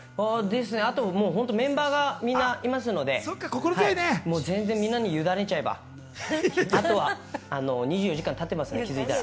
あと、メンバーがいますのでみんなに委ねちゃえば後は２４時間経ってますね、気づいたら。